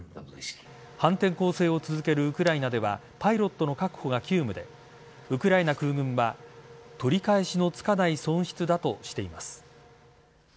反転攻勢を続けるウクライナではパイロットの確保が急務でウクライナ空軍は取り返しのつかない損失だとしています。